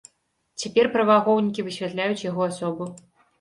Цяпер праваахоўнікі высвятляюць яго асобу.